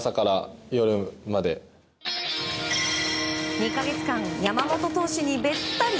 ２か月間山本投手にべったり。